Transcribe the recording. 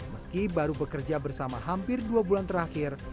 meski baru bekerja bersama hampir dua bulan terakhir